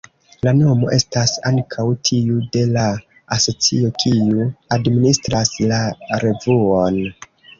La nomo estas ankaŭ tiu de la asocio, kiu administras la revuon.